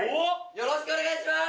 よろしくお願いします！